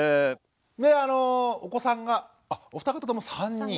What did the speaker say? であのお子さんがお二方とも３人。